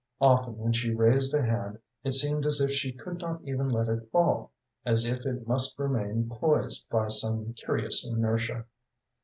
Often when she raised a hand it seemed as if she could not even let it fall, as if it must remain poised by some curious inertia.